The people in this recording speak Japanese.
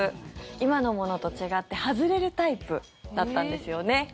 今のものと違って外れるタイプだったんですよね。